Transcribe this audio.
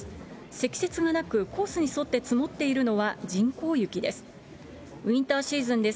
積雪がなく、コースに沿って積もっているのは人工雪です。